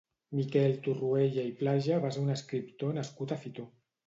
Miquel Torroella i Plaja va ser un escriptor nascut a Fitor.